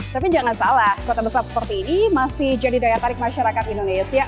tapi jangan salah kota besar seperti ini masih jadi daya tarik masyarakat indonesia